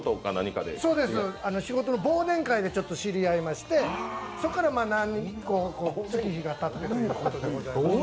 仕事の忘年会でちょっと知り合いまして、そこから月日がたってということです。